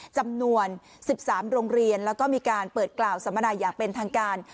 จำนวน๑๓โรงเรียนแล้วก็มีการเปิดกล่าวสัมมนาอย่างเป็นทางการ